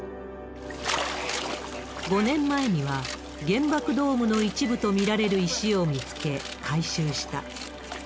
５年前には、原爆ドームの一部と見られる石を見つけ、回収した。